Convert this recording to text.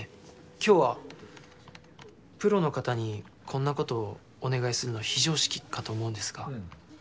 今日はプロの方にこんなことをお願いするの非常識かと思うんですが。